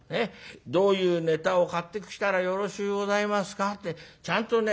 『どういうネタを買ってきたらよろしゅうございますか』ってちゃんとね